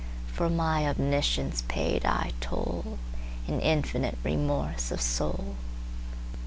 For my omniscience paid I tollIn infinite remorse of soul.